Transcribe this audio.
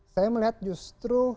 saya melihat justru